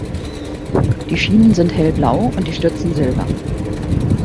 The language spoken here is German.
Die Schienen sind hellblau und die Stützen silber.